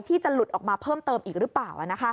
ที่จะหลุดออกมาเพิ่มเติมอีกหรือเปล่า